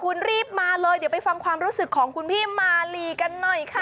คุณรีบมาเลยเดี๋ยวไปฟังความรู้สึกของคุณพี่มาลีกันหน่อยค่ะ